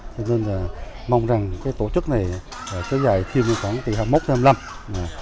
mình mong rằng tổ chức này sẽ dài thêm khoảng từ hai mươi một đến hai mươi năm